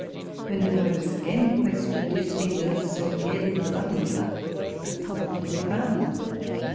When the boy was again questioned, his fingers sought again for the button, but it was not to be found.